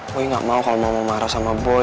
boy gak mau kalau mama marah sama boy